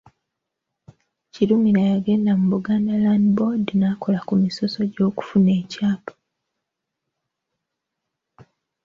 Kirumira yagenda mu Buganda Land Board n'akola ku misoso gy'okufuna ekyapa.